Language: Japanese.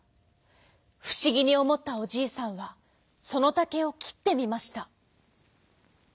ふしぎにおもったおじいさんはそのたけをきってみました。